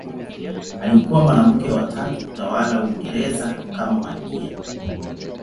Alikuwa mwanamke wa tatu kutawala Uingereza kama malkia.